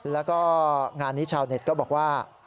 แล้วก็งานนี้ชาวเน็ตก็บอกว่า